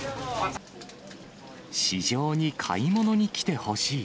市場に買い物に来てほしい。